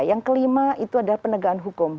yang kelima itu adalah penegakan hukum